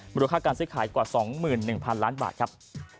มูลค่าการซื้อขายกว่า๒๑๐๐๐ล้านบาทครับ